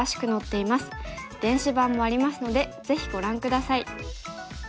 電子版もありますのでぜひご覧下さい。